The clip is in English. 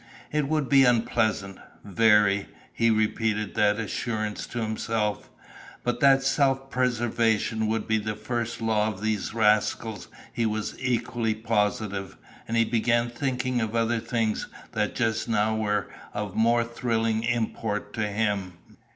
It would be unpleasant very he repeated that assurance to himself; but that self preservation would be the first law of these rascals he was equally positive, and he began thinking of other things that just now were of more thrilling import to him.